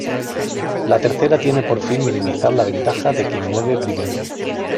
La tercera tiene por fin minimizar la ventaja de quien mueve primero.